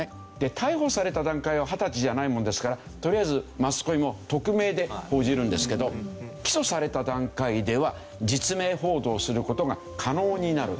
逮捕された段階は２０歳じゃないもんですからとりあえずマスコミも匿名で報じるんですけど起訴された段階では実名報道する事が可能になる。